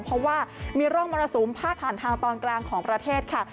เพราะว่ามีร่องมรสุมพาดผ่านทางตอนกลางของประเทศค่ะ